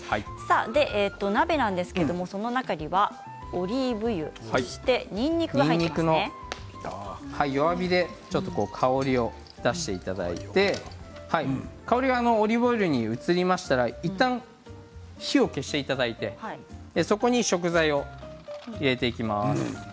鍋ですが、その中にはオリーブ油そして、にんにくが弱火で香りを出していただいて香りはオリーブオイルに移りましたら、いったん火を消していただいてそこに食材を入れていきます。